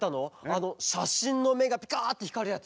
あのしゃしんのめがピカッてひかるやつ。